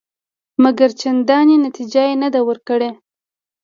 مګر چندانې نتیجه یې نه ده ورکړې.